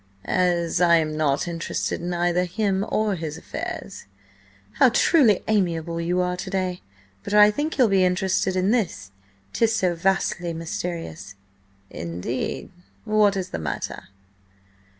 "As I am not interested in either him or his affairs—" "How truly amiable you are to day! But I think you'll be interested in this, 'tis so vastly mysterious." "Indeed? What is the matter?"